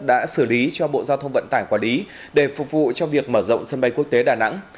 đã xử lý cho bộ giao thông vận tải quản lý để phục vụ cho việc mở rộng sân bay quốc tế đà nẵng